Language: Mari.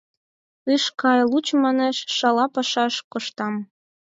Ыш кай, лучо, манеш, шала пашаш коштам.